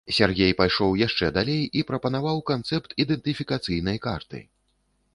Сяргей пайшоў яшчэ далей і прапанаваў канцэпт ідэнтыфікацыйнай карты.